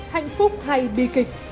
hạnh phúc hay bi kịch